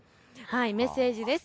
メッセージです。